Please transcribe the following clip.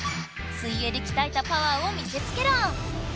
水泳できたえたパワーを見せつけろ！